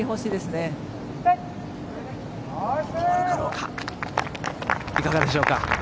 いかがでしょうか。